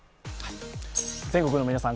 全国の皆さん